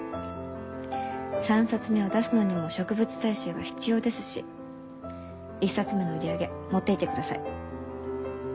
３冊目を出すのにも植物採集が必要ですし１冊目の売り上げ持っていってください。